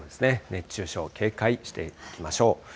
熱中症警戒していきましょう。